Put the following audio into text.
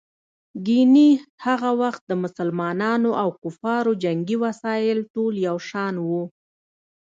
ګیني هغه وخت د مسلمانانو او کفارو جنګي وسایل ټول یو شان وو.